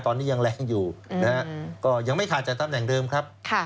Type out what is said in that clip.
ตอนนี้ยังแรงอยู่นะฮะก็ยังไม่ขาดจากตำแหน่งเดิมครับ